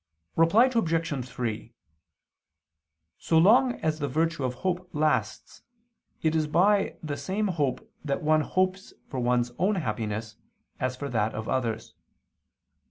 Reply Obj. 3: So long as the virtue of hope lasts, it is by the same hope that one hopes for one's own happiness, and for that of others.